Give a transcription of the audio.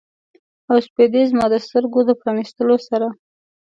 او سپیدې زما د سترګو د پرانیستلو سره